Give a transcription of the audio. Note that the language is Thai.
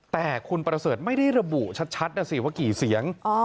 แต่คุณประเสริฐไม่ได้ระบุชัดนะสิว่ากี่เสียง